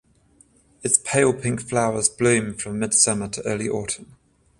Its pale pink flowers bloom from mid summer to early autumn.